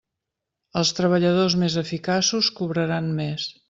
Els treballadors més eficaços cobraran més.